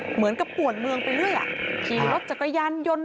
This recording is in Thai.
เหมือนป่วนเมืองไปเรื่อยขี่รถจักรยานยนต์